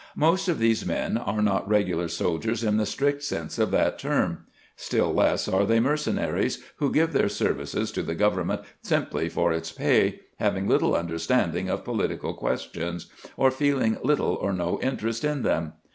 Most of these men are not regu lar soldiers in the strict sense of that term ; stiU less are they mercenaries who give their services to the government simply for its pay, having little understanding of political questions, or f eehng little or no interest in them.